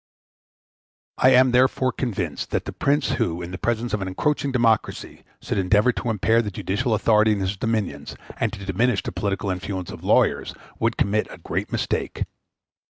I am therefore convinced that the prince who, in presence of an encroaching democracy, should endeavor to impair the judicial authority in his dominions, and to diminish the political influence of lawyers, would commit a great mistake.